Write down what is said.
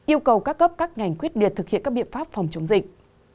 yêu cầu các cấp các ngành quyết liệt thực hiện các biện pháp phòng chống dịch